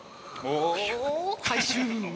回収！